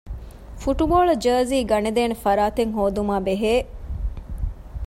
ފުޓްބޯޅަ ޖާރޒީ ގަނެދޭނެ ފަރާތެއް ހޯދުމާބެހޭ